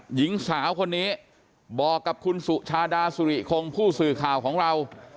หญิงสาวคนนี้บอกกับคุณสุชาดาสุริคงผู้สื่อข่าวของเรา